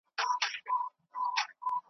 لا ښكارېږي جنايت او فسادونه .